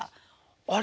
あれ？